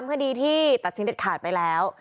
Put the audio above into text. คดีที่ตัดสินเด็ดขาดไปแล้ว